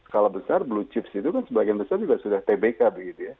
skala besar blue chips itu kan sebagian besar juga sudah tbk begitu ya